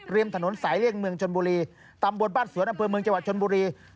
ถนนสายเลี่ยงเมืองชนบุรีตำบลบ้านสวนอำเภอเมืองจังหวัดชนบุรี